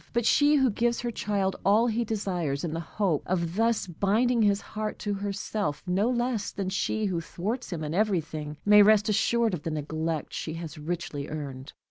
But she who gives her child all he desires, in the hope of thus binding his love to herself, no less than she who thwarts him in everything, may rest assured of the neglect she has richly earned.